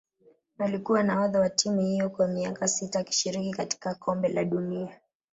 Alikuwa nahodha wa timu hiyo kwa miaka sita akishiriki katika kombe la dunia